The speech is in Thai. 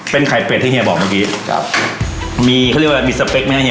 เป็นไข่เป็ดที่เฮียบอกเมื่อกี้ครับมีเขาเรียกว่ามีสเปคไหมฮะเฮ